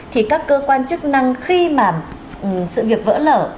thì các cơ quan chức năng khi mà sự việc vỡ lở